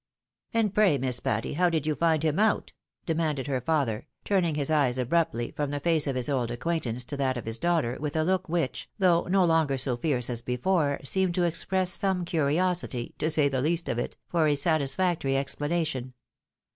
" And pray. Miss Patty, how did you find him out ?" de manded her father, turning his eyes abruptly from the face of his old acquaintance to that of his daughter, with a look which, though no longer so fierce as before, seemed to express some curiosity, to say the least of it, for a satisfactory explanation.